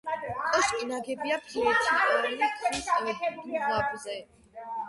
კოშკი ნაგებია ფლეთილი ქვით დუღაბზე.